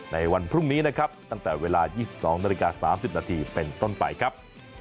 สวัสดีครับ